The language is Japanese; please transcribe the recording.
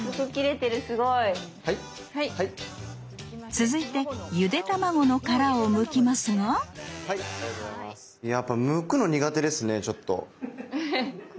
続いてゆで卵の殻をむきますがやっぱむくの苦手ですねちょっと。